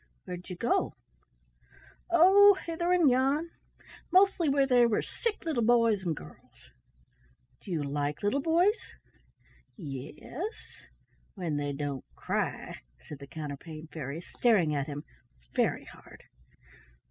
"Where did you go?" "Oh, hither and yon. Mostly where there were little sick boys and girls." "Do you like little boys?" "Yes, when they don't cry," said the Counterpane Fairy, staring at him very hard.